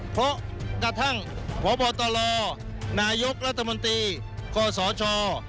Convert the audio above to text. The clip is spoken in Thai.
เพราะกระทั่งพบตรนายกรัฐมนตรีกศช